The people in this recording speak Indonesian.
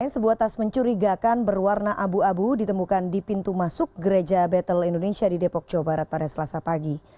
sebuah tas mencurigakan berwarna abu abu ditemukan di pintu masuk gereja battle indonesia di depok jawa barat pada selasa pagi